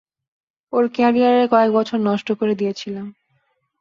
ওর ক্যারিয়ারের কয়েকবছর নষ্ট করে দিয়েছিলাম।